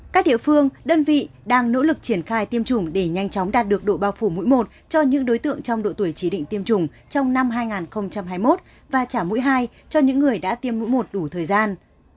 các địa phương đơn vị đang nỗ lực triển khai tiêm chủng để nhanh chóng đạt được độ bao phủ mũi một cho những đối tượng trong độ tuổi chỉ định tiêm chủng trong năm hai nghìn hai mươi một và trả mũi hai cho những người đã tiêm mũi một đủ thời gian